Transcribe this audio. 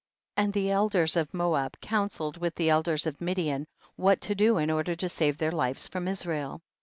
40. And the elders of Moab coun selled with the elders of Midian what to do in order to save their lives from Israel.